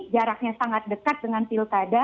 jaraknya sangat dekat dengan pilkada